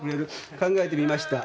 考えてみました。